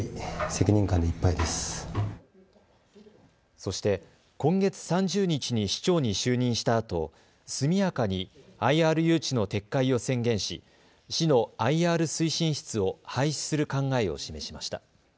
そして今月３０日に市長に就任したあと速やかにＩＲ誘致の撤回を宣言し、市のＩＲ推進室を廃止する考えを示しました。